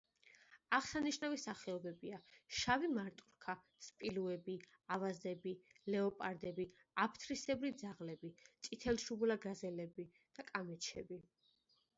აღსანიშნავი სახეობებია: შავი მარტორქა, სპილოები, ავაზები, ლეოპარდები, აფთრისებრი ძაღლები, წითელშუბლა გაზელები და კამეჩები.